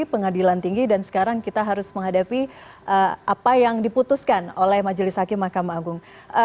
pengadilan tinggi dan sekarang kita harus menghadapi apa yang diputuskan oleh majelis hakim mahkamah agung